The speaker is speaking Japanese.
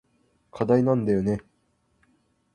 課題なんだよね。